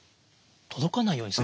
届かないようにする？